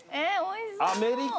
アメリカ！